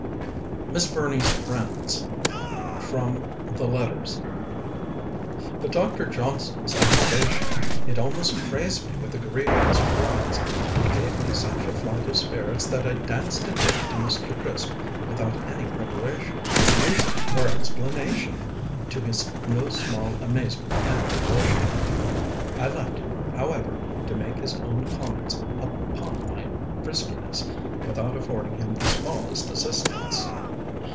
MISS BURNEY'S FRIENDS From the 'Letters' But Dr. Johnson's approbation! it almost crazed me with agreeable surprise it gave me such a flight of spirits that I danced a jig to Mr. Crisp, without any preparation, music, or explanation to his no small amazement and diversion. I left him, however, to make his own comments upon my friskiness, without affording him the smallest assistance.